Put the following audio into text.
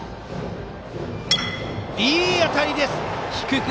いい当たりです！